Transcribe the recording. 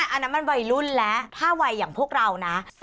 อันนั้นมันวัยรุ่นและถ้าวัยอย่างพวกเรานะ